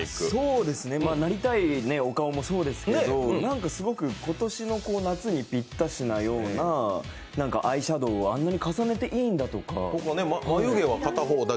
なりたいお顔もそうですけど、すごく今年の夏にピッタシなような、アイシャドーをあんなに重ねていいんだとか。